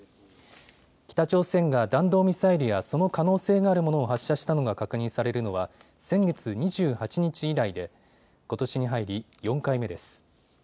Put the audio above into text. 北朝鮮が弾道ミサイルやその可能性があるものを発射したのが確認されるのは先月２８日以来で、ことしに入り４回目です。